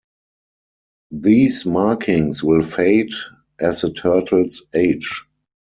These markings will fade as the turtles age.